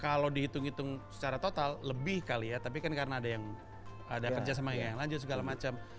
kalau dihitung hitung secara total lebih kali ya tapi kan karena ada yang ada kerja sama yang lanjut segala macam